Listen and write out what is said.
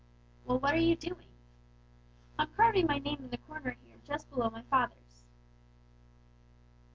"Well, what are you doing?" "I'm carving my name in the corner here, just below my father's."